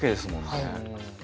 はい。